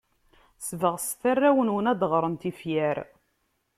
Sbeɣset arraw-nwen ad d-ɣren tifyar.